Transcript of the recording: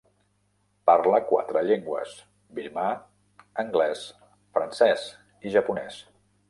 Parla quatre llengües: birmà, anglès, francès i japonès.